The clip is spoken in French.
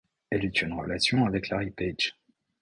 Elle a eu une relation avec Larry Page.